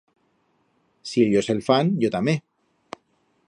Si ellos el fan, yo tamé.